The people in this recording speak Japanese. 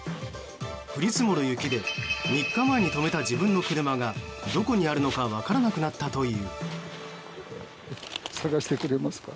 降り積もる雪で３日前に止めた自分の車がどこにあるのかわからなくなったという。